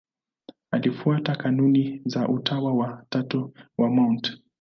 Alifuata kanuni za Utawa wa Tatu wa Mt.